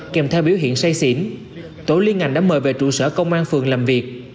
kèm theo biểu hiện say xỉn tổ liên ngành đã mời về trụ sở công an phường làm việc